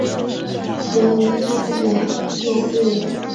元仁宗延佑六年。